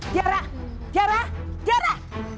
tiara tiara tiara